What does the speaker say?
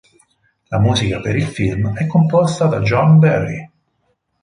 La musica per il film è composta da John Barry.